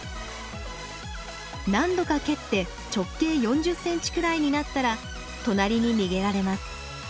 何度か蹴って直径４０ｃｍくらいになったら隣に逃げられます。